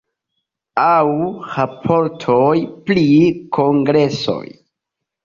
Aŭ raportoj pri kongresoj.